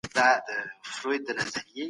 موږ ورته چمتو یو.